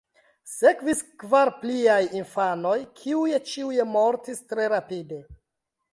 Sekvis kvar pliaj infanoj, kiuj ĉiuj mortis tre rapide.